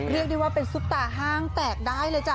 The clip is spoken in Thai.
เรียกได้ว่าเป็นซุปตาห้างแตกได้เลยจ้